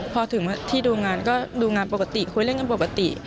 พอถึงที่ดูงานก็ดูงานปกติคุยเล่นกันปกติ